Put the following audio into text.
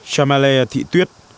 chà malay thị tuyết